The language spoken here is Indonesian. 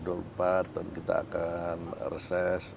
dan kita akan reses